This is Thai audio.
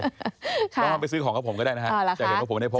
ต้องไปซื้อของกับผมก็ได้นะคะ